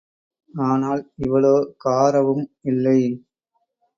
ஆனால் இவளோ காறவும் இல்லை.